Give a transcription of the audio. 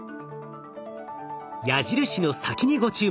矢印の先にご注目。